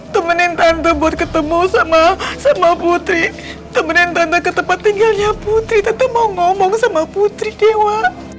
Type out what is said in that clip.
temenin tante buat ketemu sama putri kemudian tanda ke tempat tinggalnya putri tentu mau ngomong sama putri dewa